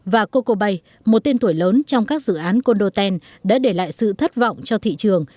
và coco bay một tên tuổi lớn trong các dự án condotel đã để lại sự thất vọng cho thị trường